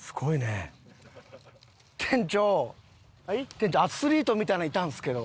店長アスリートみたいなのいたんですけど。